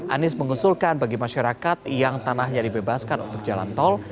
anies mengusulkan bagi masyarakat yang tanahnya dibebaskan untuk jalan tol